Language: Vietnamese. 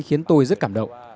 khiến tôi rất cảm động